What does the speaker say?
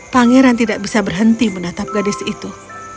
pangeran tidak bisa berhenti menatap gadis itu